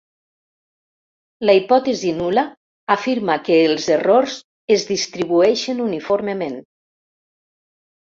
La hipòtesi nul·la afirma que els errors es distribueixen uniformement.